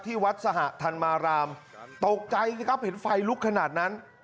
ที่วัดสหภาษณ์ธรรมารามตกใจครับเห็นไฟลุกขนาดนั้น